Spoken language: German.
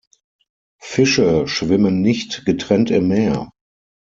Fische schwimmen nicht getrennt im Meer.